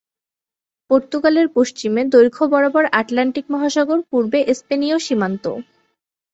পর্তুগালের পশ্চিমে দৈর্ঘ্য বরাবর আটলান্টিক মহাসাগর, পূর্বে স্পেনীয় সীমান্ত।